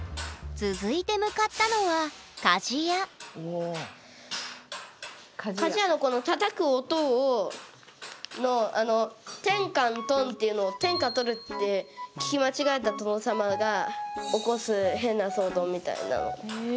続いて向かったのは鍛冶屋のこのたたく音をテンカントンっていうのを天下取るって聞き間違えた殿様が起こす変な騒動みたいなの。